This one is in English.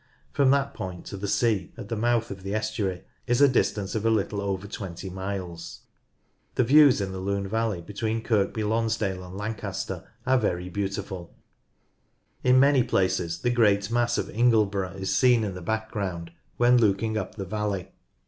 From that point to the sea at the mouth of the estuary is a distance of a little over 20 miles. The views in the Lune valley between Kirkby Lonsdale and Lancaster are very beautiful ; in many places the great mass of Ingleborough is seen in 54 NORTH LANCASHIRE the background, when looking up the valley.